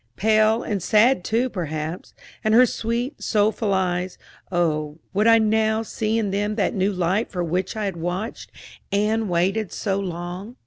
Pale, and sad too perhaps; and her sweet, soulful eyes oh, would I now see in them that new light for which I had watched and waited so long?